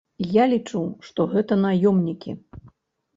Я лічу, што гэта наёмнікі.